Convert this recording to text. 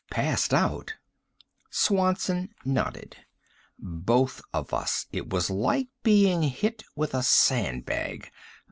"Passed out?" Swanson nodded. "Both of us. It was like being hit with a sandbag.